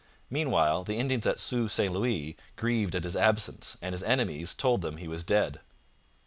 Meanwhile the Indians at Sault St Louis grieved at his absence, and his enemies told them he was dead.